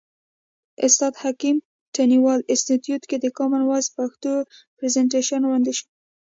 استاد حکیم تڼیوال انستیتیوت کې د کامن وایس پښتو پرزنټیشن وړاندې شو.